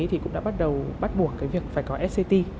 thì cũng đã bắt đầu bắt buộc cái việc phải có sct